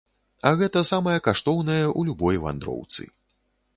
А гэта самае каштоўнае ў любой вандроўцы.